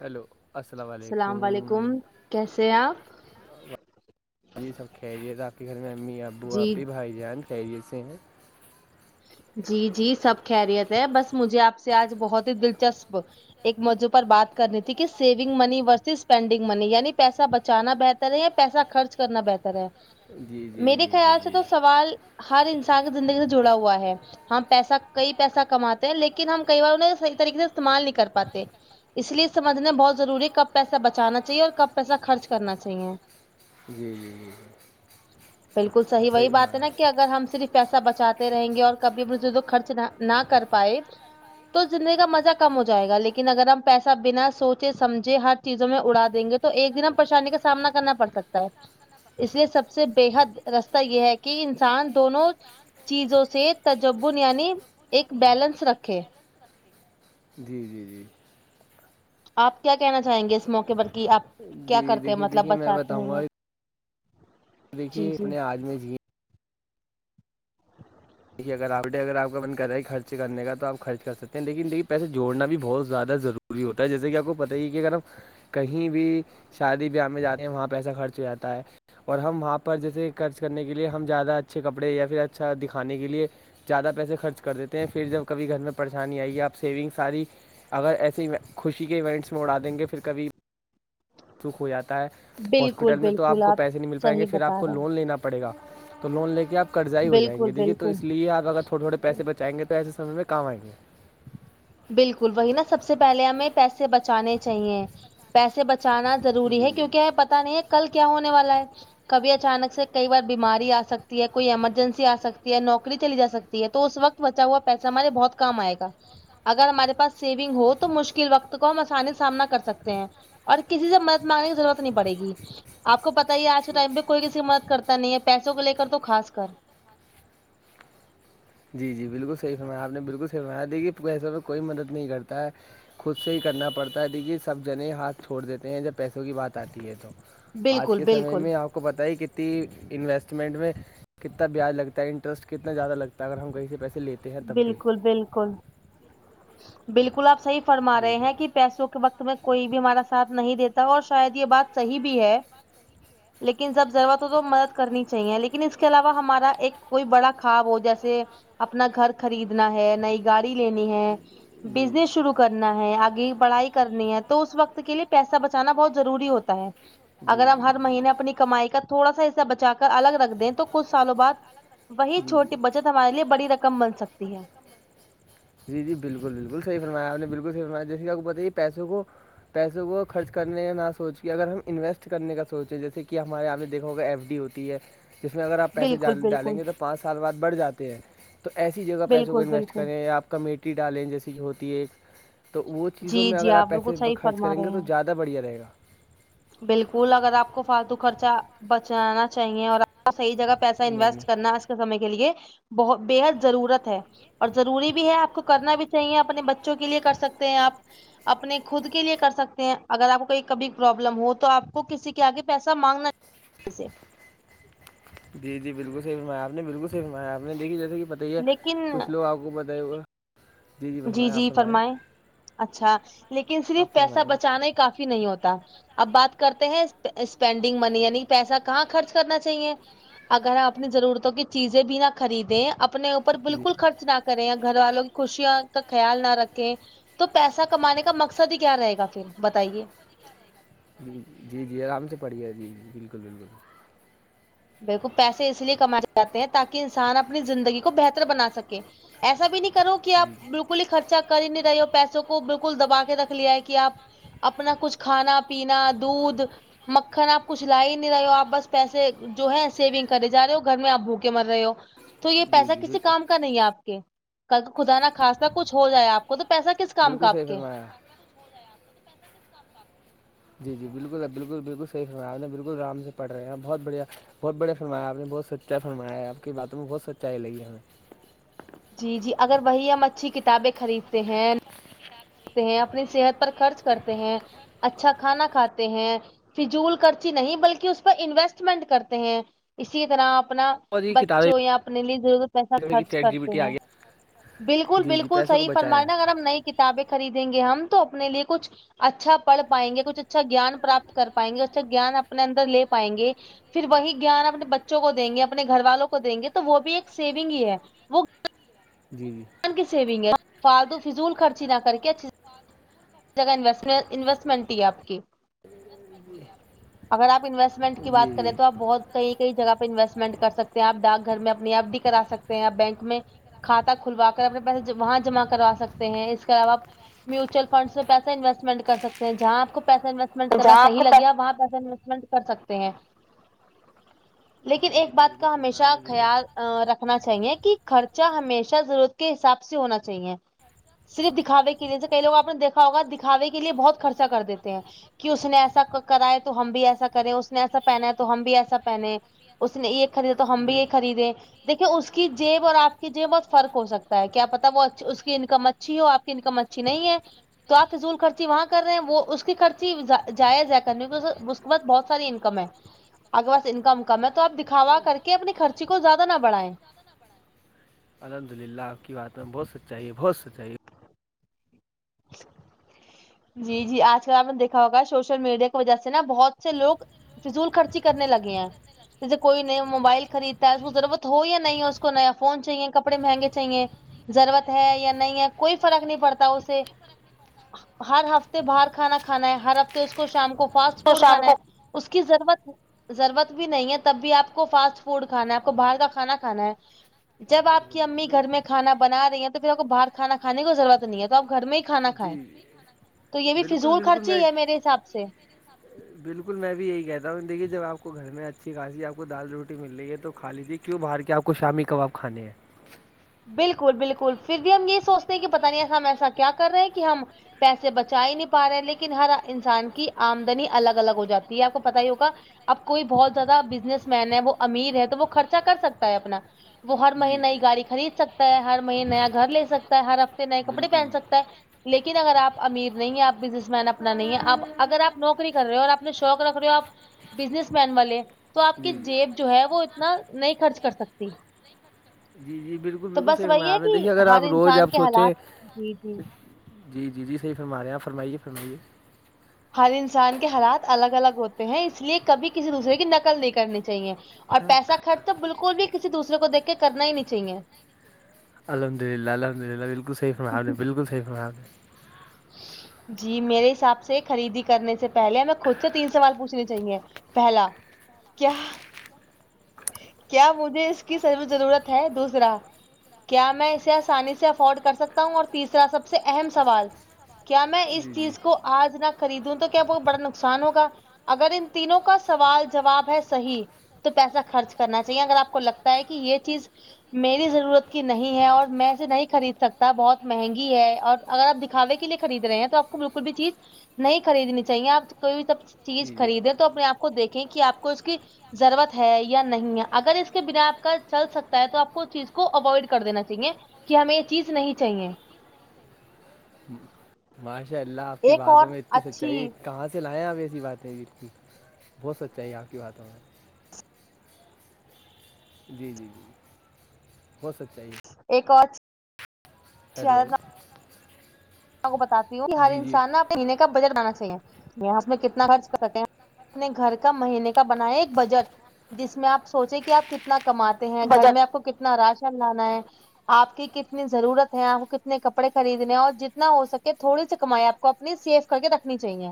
hello السلام علیکم علیکم کیسے ہیں آپ یہ سبکھ جی بااکی خیر ممیمی آبو جی آپ ہی بھائی جان چیے سے ہیں جی جی سب خیریت ہے بس مجھے آپ سے آج بہت ہی دلچسپ ایک موضوع پر بات کرنی تھی کہ saving money versus spending money یعنی پیسہ بچانا بہتر ہے یا پیسہ خرچ کرنا بہتر ہے جی جی میرے جی جی خیال سے جی تو سوال ہر انسان کی زندگی سے جڑا ہوا ہے ہم پیسہ کئی پیسہ کماتے ہیں لیکن ہم کئی بار انہیں صحیح طریقے سے استعمال نہیں کر پاتے اس لیے سمجھنا بہت ضروری ہے کب پیسہ بچانا چاہیے اور کب پیسہ خرچ کرنا چاہیے جی جی جی جی بالکل صحی صحیح وہی بات ہے فرمایا نا کہ اگر ہم صرف پیسہ بچاتے رہیں گے اور کبھی م خرچ نہ کر پائے تو زندگی کا مزہ کم ہو جائے گا لیکن اگر ہم پیسہ بنا سوچے سمجھے ہر چیزوں میں اڑا دیں گے تو تو ایک دن ہم پریشانی کا سامنا کرنا پڑ سکتا ہے اس لیے سب سے بےحد رستہ یہ ہے کہ انسان دونوں چیزوں سے تجبن یعنی ایک بیلنس رکھے جی جی جی آپ کیا کہنا چاہیں گے اس موقع پر کہ آپ کیا جی کرتے ہیں دیکھیے مطلب دیکھیے میں بچاتے ہیں بتاؤں گا یہ دیکھیے اپنے آجمی دیکے اگر آپ ڈے اگر آپ کا من کر رہا ہے خرچنے کا آپ خرچ کرکتے ہیں لیکنیکھی پیسے جوڑنا بھی بہت زیادہ ضروری وری ہوتا ہے جیسے کہ آپ کو پتا ہی ہے کہ اگر ہم کہیں بھی شادی بیاہ میں جاتے ہیں وہاں پیسہ خرچ ہو جاتا ہے اور ہم وہاں پر جیسے خرچ کرنے کے لیے ہم ج زیادہ اچھے کپڑے یا پھر اچھا دکھ کھانے کے لیے زیادہ پیسے خرچ کر دیتے ہیں پھر جب کھی گھر میں پریشانی آئے گی آپ سیونگ ساری اگر ایسے خوشی کے ایونٹس میں اڑا دیں گے پھر کبھی سکھ ہو جاتا ہے بالکل ہاسپٹل میں تو آپ بالکل کو پیسے نہیں مل پائیں گے صحیح پھر آپ بتا کو رہے لون ہیں لینا پڑے گا تو لون لے کے آپ قرضائی ہو جائیں بالکل گےیکھیے تو بالکل اس لیے آپ اگر تھوڑے تھوڑے پیسے بچائیں گے تو ایسےمے میں کام آئیں گے بالکل وہی نا سب سے پہلے ہمیں پیسے بچانے چاہیے پیسے بچانا ضروری ہے کیونکہ یہ پتا نہیں ہے کل کیا ہونے والا ہے کبھی اچانک سے کئی بار بیماری آ سکتی ہے کوئی ایمرجنسی آ سکتی ہے نوکری چلی جا سکتی ہے تو اس وقت بچا ہوا پیسہ ہمارے بہت کم آئےا اگر ہمارے پاس سیونگ ہو تو مشکل وقت تو کو ہم آسانی کا سامنا کر سکتے ہیں اور کسی سے مدد مانگنے کی ضرورت نہیں پڑے گی آپ کو پتہ ہی آج کے ٹائم پہ کوئی کسی مد کرتا نہیں ہے پیسوں کو لے کر تو خاص کر جی جی بالکل صحیح فمنایا آپ نے بالکل صحی فنایا تھی کہ پیسے میں کوئی مدد نہیں کرتا ہے خود سے ہی کرنا پڑتا ہے دیکیکہ سب جنے ہاتھ چھوڑ دیتے ہیں جب پیسوں کی بات آتی ہے تو آج بالکل کے سمے بالکل میں آپ کو پتا ہی کتنی انویسٹمنٹ میں کتنا بیاج لگتا ہے انٹرسٹ کتنا زیادہ لگتا ہے تو اگر ہم کہے سےیسل بالکل بالکل بالکل آپ صحیح فرما جی جی رہے ہیں کہ پیسوں کے وقت تویں کوئی بھی ہمارا ساتھ نہیں دیتا اور شاید یہ بات صحیح بھی ہے لیکن جب ضرورت ہو تو مدد کرنی چاہیے لیکن اس کے علاوہ ہمارا ایک کوئی بڑا خواب ہو جیسے اپنا گھر خریدنا ہے نئی گاڑی لینی ہے جی بزنس شرو کرنا ہے آگے پڑھائی کرنی ہے تو اس وقت کے لیے پیسہ بچانا بہت ضروری ہوتا ہے جی اگر ہم جی جی ہر مہینے اپنی کمائی کا تھوڑا سا حصہ بچا کر الگ رکھ دیں تو کچھ سالوں بعد وہی جی چھوٹی جی بچت ہمارے لیے بڑی رقم مل سکتی ہے جی جی بالکل بالکل صحی فرمایا آ نے بالکل صحی فرایا جیس کہ آپ بتائی ہے پیسوں کو پیسوں کو خرچ کرنے نہ سوچ کے اگر ہم انویسٹ کرنے کا سوچیں جیسے کہ ہمارے یہاں نے دھا ہوگا ایف ڈی ہوتی ہے جس میں اگر آپ پیسے بالکل بالکل ڈالیں گے تو پانچ سال بعد بڑھ جاتے ہیں تو ایسی جگہ پیسوں کو بالکل انویسٹ بالکل کریں یا آپ کمیٹی ڈالیں جیسے کہ ہوتی ہے ایک تو وہ چیزوں جی میں جی اگر آپ بالکل پیسے صحیح خرچ فرما کریں رہے گے تو ہیں زیادہ بڑھیا رہے گا بالکل اگر آپ کو فالتو خرچہ بچانا چاہیے اور صحیح جگہ پیسہ نہیں انویسٹ نہیں کرنا آج کے سمے کے لیے بت بےحد ضرورت ہے اور ضوری بھی ہے آپ کو کرنا بھی چاہیے اپنے بچ کے لیے سکتے ہیں آ اپنے خ کے لیے کر سکتے ہیں اگر آپ کو کب لم ہو تو آ کو کسی کےگے پیسہ مانگنا سے جی جی بالکل صی فمایا آپ نے بالکل صی فمایا آپ نے دیکھی جیسے کہ بتائیے لیکن کچھ لوگ آپ کو بتائی ہوا جی جی فرمائیں اچھا لیکن صرف آپ پیسہ فرمائیں بچانے کا نہیں ہوتا اب بات کرتے ہیں اسپینڈنگ منی یعنی پیسہ کہاں خرچ کر کرنا چاہیے اگر آپ اپنی ضرورتوں کی چیزیں بھی نہ خریدیں اپنے اوپر جی بالکل خرچ نہ کریں یا گھر والوں کی خوشیاں خیال نہ رکھیں تو پیسہ کمانے کا مقصد ہی کیا رہے گا پھر بتائیے جی جی جی آرام سے پڑھیے جی جی بالکل بالکل بالکل پیسے اس لیے کمانے جاتے ہیں تاکہ انسان اپنی زندگی کو بہتر بنا سکے ایسا بھی نہیں کرو کہ آپ جی بالکل ہی خرچا کر ہی نہیں رہے ہو پیسوں کو بالکل دبا کے رکھ لیا ہے کہ آپ اپنا کچھ کھانا پینا دودھ مکھن آپ کچھ لا ہی نہیں رہے ہو آپ بس پیسے جو ہے سیونگ کرے جا رہے ہو گھر میں آپ بھوکے مر رہے ہو تو یہ جی پیسہ جی کسی بال کام کا نہیں ہے آپ کے کل خدا نا خھاصا کچھ ہو جائے آپ کو تو پیسا کس کام کا بالکل آپ صحیح کے فرمایا جی جی بالکل اب بالکل بالکل صح فرم آ نے بالکلرام سے پڑھ رہے ہیں بہت بڑھیا بہتڑے فننایا آپ نے بہت سچا فون بنایا آپ کی باتوں میں بہت سچائی لگی ہمیں جی جی اگر وہی ہم اچھی کتابیں خریدتے ہیں ہیں اپنی صحت پر خرچ کرتے ہیں اچھا کھانا کھاتے ہیں فضول کرچی نہیں بلکہ اس پہ انویسٹمنٹ کرتے ہیں اسی طرح اپنا اور یہ کتابیں بچوں یا اپنے لیے پیسہ کی خرچ چیٹ جی بی کرتے ٹی آ ہیں گیا بالکل جی جی بالکل پیسے کو صحی فرمائے بچایا نا ہے اگر ہم نہیں کتابیں خریدیں گے ہم تو اپنے لیے کچھ اچھا پڑھ پائیں گے کچھ اچ اچھا جیان پراپت کر پائیں گے اچھا جان اپنے اندر لے پائیں گے پھر وہی گان اپنے بچوں کو دیں گے اپنے گھر والوں کو دیں گے تو وہ بھی ایک سیونگ ہی ہے وہ جی جی گیان کی سیونگ ہے فدو فضول خرچی نہ کر کے اچھے سے وات جگہ انویسٹمنٹ ہی ہے آپ کی اگر آپ انویسٹمنٹ کی جی بات کریں جی تو آپ بہت کئی کئی جگہ پہ انویسٹمنٹ کر سکتے ہیں آپ ڈاک گھر میں اپنی ایپ بھی کرا سکتے ہیں آپ بینک میں کھاتا کھلوا کر اپنے پیسے وہاں جمع کروا سکتے ہیں اس کے علاوہ میوچل فنڈ میں پیسا انویسمنٹ کر سک ہیں جہاں آ کو پیسا انوسٹ ٹ کرنا صح لگے وہاں پیسا انوسٹمنٹ کر سکتے ہیں لیکن جی جی ایک بات بالکل کا صحیح فرمایا آپ ہمیشہ نے بالکل خیال رکھ رنا چاہیے کہ خرچہ ہمیشہ ضرورت کے حساب سے ہونا چاہیے صرف دکھاوے کے لی جیسے کئی لوگ آپ نے دیکھا ہوگا دکھاوے کے لیے بہت خرچہ کر دیتے ہیں کہ اس نے ایسا کراائے تو ہم بھی ایسا کریں اس نے ایسا پہنا ہے تو ہم بھی ایسا پہن اس نے یہ خریدا تو ہم بھی جی یہ جی خریدے دیکھیے اس کی جیب اور آپ کی جیب میں بہت فرق ہو سکتا ہے کیا پتا وہ ا اس کی انکم اچ اچھی ہو آپ کی انکم اچھی نہیں ہے تو آپ فضول خرچی وہاں کر رہے ہیں وہ اس کی خرچی جائ ائ کرنی کی اس کے بعد بہت ساری انکم ہے اگر بس انکم کم ہے تو آپ دکھاوا کر کے اپنی خرچی کو زیادہ نہ بڑھائیں الحمد للہ آپ کی بات میں بہت سچائی ہے بہت سچائی ہے جی جی آج کل آپ نے دیکھا ہوگا سوشل میڈیا کی وجہ سے نا بہت سے لوگ فضول خرچی کرنے لگے ہیں جیسے کوئی نئے موبائل خریدتا ہے اس کو ضرورت ہو یا نہیں ہو اس کو نیا فون چاہیے کپڑے مہنگے چاہیے ضرورت ہے یا نہیں ہے کوئی فرق نہیں پڑتا اسے ہر ہفتے باہر کھانا کھانا ہے ہر ہفتے اس کو شام کو فاسٹ فوڈ کھانا ہے اس کی ضرورت ہے ضرورت بھی نہیں ہے تب بھی آپ کو فاسٹ فوڈ کھانا ہے آپ کو جی باہر جی کا کھانا کھانا ہے جب آپ کی بالکل امی گھر میں بالکل کھانا بنا رہی ہیں تو پھر آپ کو باہر کھانا کھے کو ضرورت نہیں ہے تو آپ گھر میں ہی کھانا کھائے جی تو یہ بھی فضول خرچ ہی ہے میرے حساب سے سپ بالکل میں بھی یہی کہتا ہوں دیکھیے جب آپ کو گھر میں اچھی خاصی آپ کو دال روٹی مل رہی ہے تو کھا لیجیے کیوں بہر کے آپ کو شامی کباب کھانے ہیں بالکل بالکل پھر بھی ہم یہ سوچتے ہیں کہ پتا نہیں ہم ایسا کیا کر رہے ہیں کہ ہم پیسے بچا ہی نہیں پا رہے لیکن ہر انسان کی آمدنی الگ الگ ہو جاتی ہے آپ کو پتا ہی ہوگا اب کوئی بہت زیادہ بزنس مین ہے وہ امیر ہے تو وہ خرچہ کر سکتا ہے اپنا وہ ہر جی مہینےہئی جی گاڑی خرید سکتا ہے ہر مہینے نیا گھر لے سکتا ہے ہر ہفتے نئے کپڑے پہن بالکل سکتا ہے لیکن اگر آپ امیر نہیں ہیں آپ بزنس مین اپنا نہیں ہے آپ اگر آپ نوکری کر رہے ہو اور اپنے شوق رکھ رہے ہو آپ بزنس مین والے تو آپ جی کی جی جیب جو ہے وہ اتنا نہیں خرچ کر سکتی جی جی بالکل تو بالکل بس سیف ہے وہی آپ نے کہ دیکھیے اگر ہر آپ روز انسان آپ کے حالات سوچیں جی جی جی جی جی صحی فرما رہے ہیںپ فرمائیے فرمائیے ہر انسان کے حالات الگ الگ ہوتے ہیں اس لیے کبھی کسی دوسرے کی نقل نہیں کرنی چاہیے اور پیسہ خرچ تو بالکل بھی کسی دوسرے کو دیک کے کرنا ہی نہیں چاہیے الحمد للہ الحمد للہالکل صی فرار بالکل صی فناار ہیں جی میرے حساب سے خریدی کرنے سے پہلے ہمیں خود سے تین سوال پوچھنے چاہیے پہلا کیا کیا مجھے اس کی ضرورت ہے دوسرا کیا میں اسے آسانی سے افورڈ کر سکتا ہوں اور تیسرا سب سے اہم سوال کیا میں اس چیز کو آج نہ خریدوں تو کیا وہ بڑا نقصان ہوگا اگر ان تینوں کا سوال جواب ہے صحیح تو پیسا خرچ کرنا چاہیے اگر آ کو لگتا ہے کہ یہ چیز میری ضرورت کی نہیں ہے اور میںے نہیں خرید سکتا بہت مہنگی ہے اور اگرپ دکھاوے لیے خرید رہے ہیں تو آپ کو بالکل بھی چیز نہیں خریدنی چاہیے آپ کوئی بھی سب چیز جی جی خریدیں تو اپنے آپ کو دیکھیں کہ آپ کو اس کی ضرورت ہے یا نہیں ہے اگر اس کے بنا آپ کا چل سکتا ہے تو آپ کو چیز کو اوائڈ کر دینا چاہیے کہ ہمیں یہ چیز نہیں چاہیے چاہیے ماشاء اللہ آپ کی ایک اور باتوں میں اتنی اچھی سچائی کہاں سے چ لائیں آپ ایسی باتیں ج کی بہت سچ چاہیے آپ کی باتوں میں جی جی جی ہو سکتا ہے یہ ایک وچ ہیلو کو بتاتی ہوں کہ ہر جی جی انسان نا اپنے مینے کا بجٹ بنا چاہیے یہاں میں کتنا خرچ کر سکتے ہیں اپنے گھر کا مہینے کا بنایا ایک بجٹ جس میں آپ سوچے کہ آپ کتنا کماتے ہیں گھر میں آپ کو کتنے تنا راشن لانا ہے آپ کی کتنی ضرورت ہے آپ کو کتنے کپڑے خریدنے اور جتنے اتنا ہو سکے تھوڑی سی کمائی آپ کو اپنی سیف کر کے رکھنی چاہیے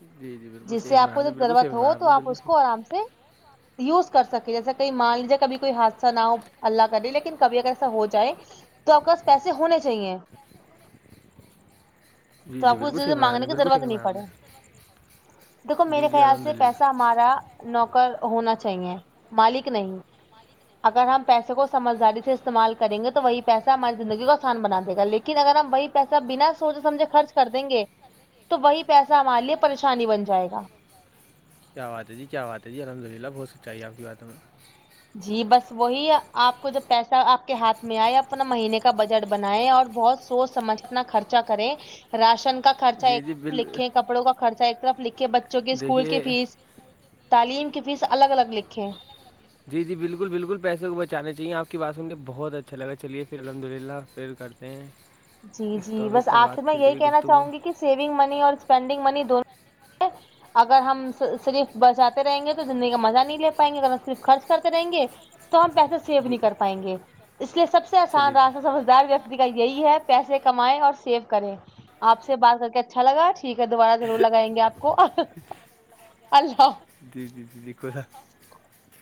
جی جی بالکل جس صحیح سے آپ فرمایا کو نے جب بالکل صحیح ضرورت ہو فرمایا تو نے آپ بالکل اس کو آرام سے یوز کر سکے جیسے کہئی مان لیجیے کبھی کوئی حادثہ نہ ہو اللہ کر دے لیکن کبھی اگر ایسا ہو جائے تو آپ کااس پیسے ہونے چاہیے جی تو جی آپ کو بالکل اسیز صحیح سے فرمایا آپ مانگنے نے کی بالکل ضرورت صحیح نہیں فرمایا آپ پڑے نے دیکھو میرے جی جی خیال الحمد سے للہ پیسہ ہمارا نوکر ہونا چاہیے مالک نہیں اگر ہم پیسے کو سمجھداری سے استعمال کریں گے تو وہی پیسہ ہماری زندگی کو آسان بنا دے گا لیکن لیکن اگر ہم وہی پیسہ بنا سوچ سمجھے خرچ کر دیں گے تو وہی پیسہ ہمارے لیے پریشانی بن جائے گا کیا بات ہے جی کیا بات ہے جی الحمد للہ بہتک چاہے آپ بات ہمیں جی بس وہی آپ کو جو پیسہ آپ کے ہاتھ میں آئے اپنا مہینے کا بجٹ بنائے اور بہت سوچ سمجھ اپنا خرچا کریں راشن کا خرچہ جی جی ایک بال لکھے کپڑوں کا خرچہ ایک طرف لکھے بچوں کے اسکول کی دیکھیے فیس تعلیم کی فیس الگ الگ لکھے جی جی بالکل بالکل پیسے کو بچانے چاہیے آپ کی بات سوں کے بہت اچھا لگا چلیے پھر الحمد للہ پھر کر پ جی جی بس آخر میں یہی کہنا چاہوں گی کہ سیونگ منی اور اسپینڈنگ منی دونوں اگر ہم صرف بچاتے رہیں گے تو زندگی کا مزہ نہیں لے پائیں گے اگر ہم صرف خرچ کرتے رہیں گے تو ہم پیسے سیو جی نہیں کر پائیں گے اس لیے سب سے چلیے آسان جی راستہ سمجھدار و د یہی ہے پیسے کمائیں اور سیو کریں آپ سے بات کر کے اچھا لگا ٹھیک ہے دوبارہ ضرور لگائیں گے آپ کو اللہ و جی جی جی دیکھو سا